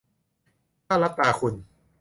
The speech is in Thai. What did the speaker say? ถ้าลับตาคุณ